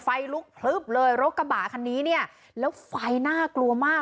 ไฟลุกพลึบเลยรถกระบะคันนี้เนี่ยแล้วไฟน่ากลัวมาก